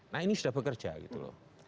nah ini sudah bekerja gitu loh